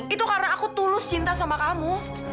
itu karena aku tulus cinta sama kamu